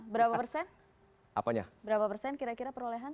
berapa persen kira kira perolehan